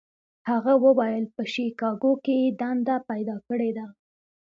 هغه وویل په شیکاګو کې یې دنده پیدا کړې ده.